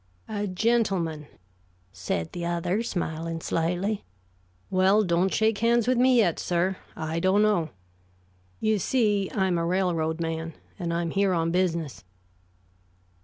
"A gentleman," said the other, smiling slightly. "Well, don't shake hands with me yet, sir. I don't know. You see I'm a railroad man, and I'm here on business."